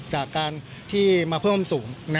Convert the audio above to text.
จากการที่มาเพิ่มสูง